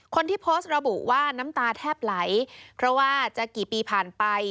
คนที่โพสต์ระบุว่าน้ำตาแทบไหลเพราะว่าจะกี่ปีผ่านไป